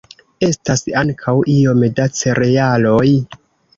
Estas ankaŭ iom da cerealoj.